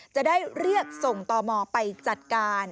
จะได้เรียกส่งตมไปจัดการ